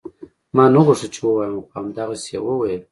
ما نه غوښتل چې ووايم خو همدغسې يې وويل.